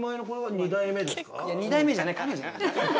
２代目じゃない？